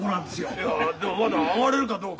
いやでもまだ上がれるかどうか。